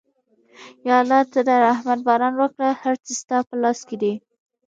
یا الله ته د رحمت باران وکړه، هر څه ستا په لاس کې دي.